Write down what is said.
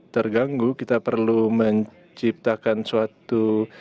terganggu kita perlu menciptakan suatu